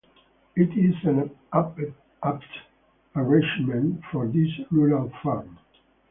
It is an apt arrangement for this rural farm.